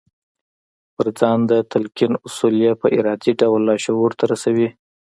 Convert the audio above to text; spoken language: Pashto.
پر ځان د تلقين اصل يې په ارادي ډول لاشعور ته رسوي.